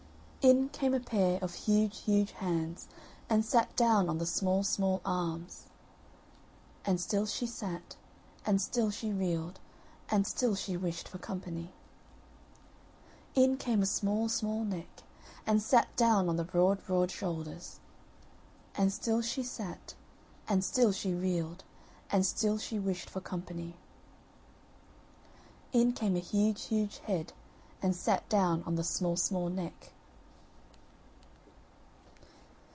In came a pair of huge huge hands, and sat down on the small small arms; And still she sat, and still she reeled, and still she wished for company. In came a small small neck, and sat down on the broad broad shoulders; And still she sat, and still she reeled, and still she wished for company. In came a huge huge head, and sat down on the small small neck.